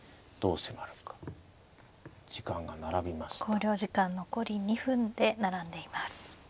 考慮時間残り２分で並んでいます。